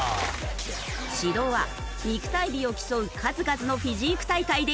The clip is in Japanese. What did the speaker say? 指導は肉体美を競う数々のフィジーク大会で優勝